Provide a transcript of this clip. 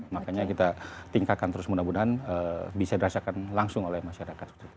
makanya kita tingkatkan terus mudah mudahan bisa dirasakan langsung oleh masyarakat